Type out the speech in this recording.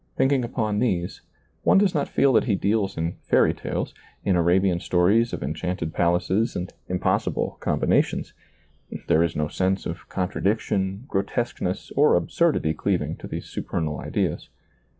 Thinking upon these, one does not feel that he deals in feiiy tales, in Arabian stories of enchanted palaces and impossible combinations : there is no sense of contradiction, grotesqueness, or absurdity cleaving to these supernal ideas.